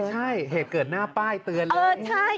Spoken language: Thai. ใช่เหตุเกิดหน้าป้ายเตือนเลย